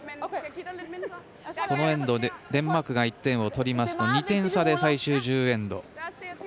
このエンド、デンマークが１点を取りますと２点差で最終１０エンド。